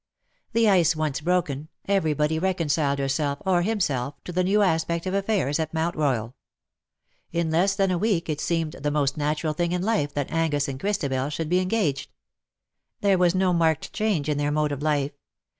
The ice once broken, everybody reconciled herself or himself to the new aspect of affairs at Mount Royal. In less than a week it seemed the most natural thing in life that Angus and Christabel should be engaged. There was no marked change in their mode of life.